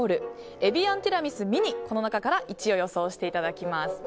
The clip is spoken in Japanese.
ティラミスミニこの中から１位を予想していただきます。